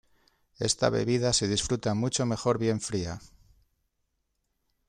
Esta bebida se disfruta mucho mejor bien fría.